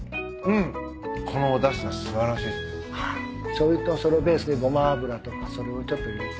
しょうゆとそれベースでごま油とかそれをちょっと入れて。